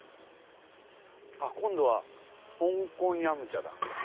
今度は「香港飲茶」だ。